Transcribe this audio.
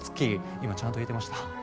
今ちゃんと言えてました？